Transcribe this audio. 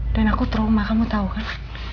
dan aku terumah kamu tau kan